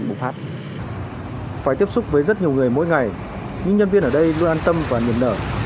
bùng phát phải tiếp xúc với rất nhiều người mỗi ngày nhưng nhân viên ở đây luôn an tâm và niềm nở